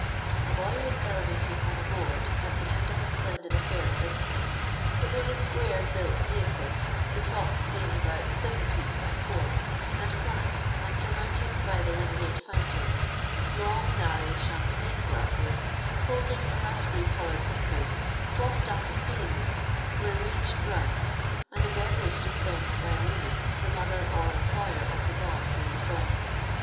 " A boy was elevated on a board at the end of a splendid affair of this kind. It was a square built vehicle, the top being about 7 feet by 4, and flat and sur mounted by the lemonade fountain ; long, narrow, champagne glasses, holding a nispberry coloured liquid, frothed up exceedingly, were ranged round, and the beverage dispensed by a woman, the mother or employer of the boy who was bawling.